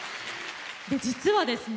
実はですね